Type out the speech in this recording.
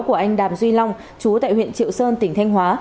của anh đàm duy long chú tại huyện triệu sơn tỉnh thanh hóa